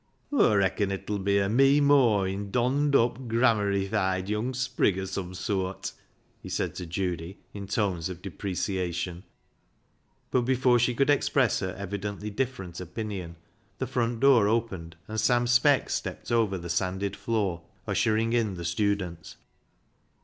" Aw reacon it 'ull be a mee mawin' donned up, grammarified young sprig o' some sooart !" he said to Judy in tones of depreciation, but before she could express her evidently different opinion the front door opened and Sam Speck stepped over the sanded floor, ushering in the student.